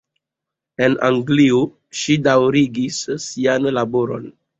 En Anglio ŝi daŭrigis sian laboron.